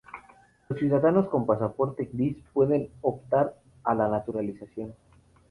Los ciudadanos con pasaporte gris pueden optar a la naturalización.